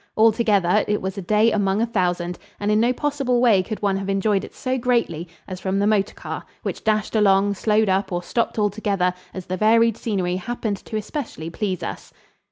Altogether, it was a day among a thousand, and in no possible way could one have enjoyed it so greatly as from the motor car, which dashed along, slowed up, or stopped altogether, as the varied scenery happened to especially please us.